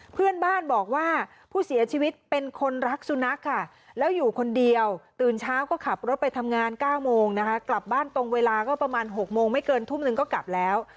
เพื่อนบ้านบอกว่าผู้เสียชีวิตเป็นคนรักสุนัขค่ะแล้วอยู่คนเดียวตื่นเช้าก็ขับรถไปทำงาน๙โมงนะคะกลับบ้านตรงเวลาก็ประมาณ๖โมงไม่เกินทุ่มหนึ่งก็กลับแล้ว